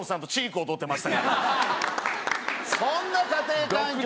そんな家庭環境で。